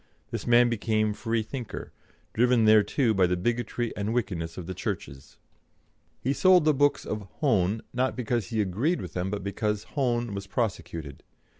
This man became Free thinker, driven thereto by the bigotry and wickedness of the Churches. He sold the books of Hone not because he agreed with them, but because Hone was prosecuted.